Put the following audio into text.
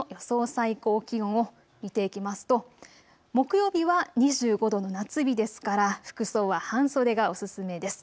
最高気温を見ていきますと木曜日は２５度の夏日ですから服装は半袖がお勧めです。